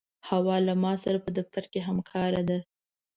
حوا له ما سره په دفتر کې همکاره ده.